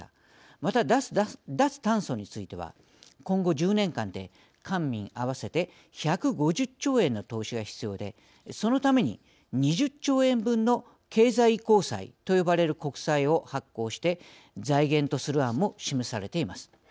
また、脱炭素については今後１０年間で官民合わせて１５０兆円の投資が必要で、そのために２０兆円分の経済移行債と呼ばれる国債を発行して財源とする案も示されています。